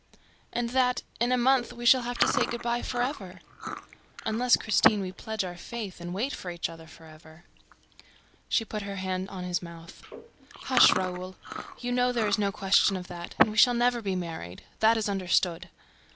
"And that, in a month, we shall have to say good by for ever!" "Unless, Christine, we pledge our faith and wait for each other for ever." She put her hand on his mouth. "Hush, Raoul! ... You know there is no question of that ... And we shall never be married: that is understood!"